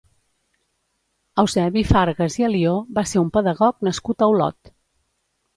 Eusebi Fargas i Alió va ser un pedagog nascut a Olot.